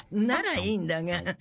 ならいいんだが。